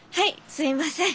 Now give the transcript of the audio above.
すいません。